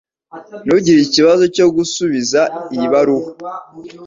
Ntugire ikibazo cyo gusubiza iyi baruwa